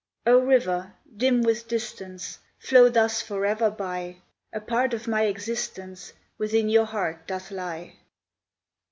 O, river, dim with distance, Flow thus forever by: A part of my existence Within your heart doth lie!